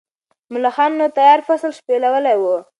ملخانو تیار فصل شپېلولی و.